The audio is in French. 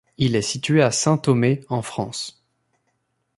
Il est situé à Saint-Thomé, en France.